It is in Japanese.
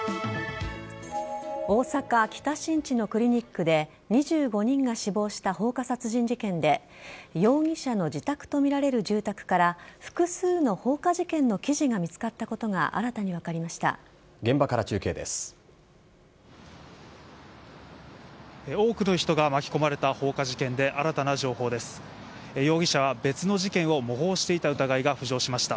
大阪・北新地のクリニックで２５人が死亡した放火殺人事件で、容疑者の自宅と見られる住宅から複数の放火事件の記事が見つかったことが、新たに分かりました。